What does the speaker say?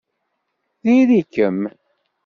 Diri-kem!